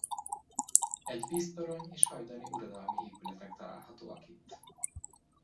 Egy víztorony és hajdani uradalmi épületek találhatóak itt.